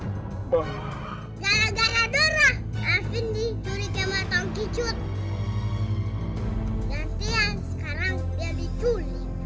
dori kembar toki cut